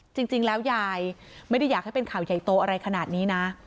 จริงแล้วยายไม่ได้อยากให้เป็นข่าวใหญ่โตอะไรขนาดนี้นะ